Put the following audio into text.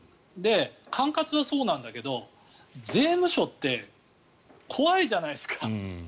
管轄はそうなんだけど税務署って怖いじゃないですか。